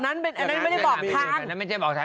อันนั้นไม่ได้บอกทาง